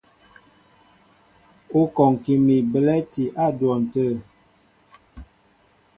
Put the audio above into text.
Ú kɔŋki mi belɛ̂ti á dwɔn tə̂.